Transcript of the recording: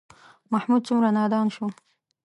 محمود څومره نادان شو.